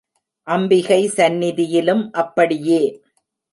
அம்பிகை சந்நிதியிலும் அப்படியே.